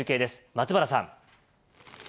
松原さん。